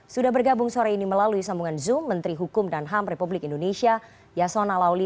sudah bergabung sore ini melalui sambungan zoom menteri hukum dan ham republik indonesia yasona lauli